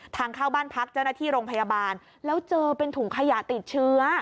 ทางเข้าบ้านพักเจ้าหน้าที่โรงพยาบาลแล้วเจอเป็นถุงขยะติดเชื้อ